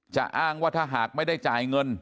อ้างว่าถ้าหากไม่ได้จ่ายเงิน